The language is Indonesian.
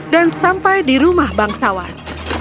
dan sampai di rumah bang sawan